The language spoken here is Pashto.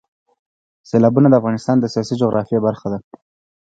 سیلابونه د افغانستان د سیاسي جغرافیه برخه ده.